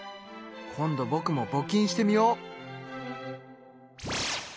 今度ぼくもぼ金してみよう！